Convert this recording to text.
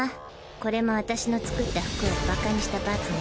これも私の作った服をバカにした罰ね。